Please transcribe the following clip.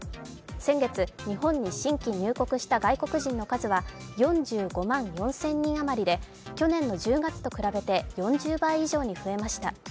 先月、日本に新規入国した外国人の数は４５万４０００人余りで、去年の１０月と比べて４０倍以上に増えました。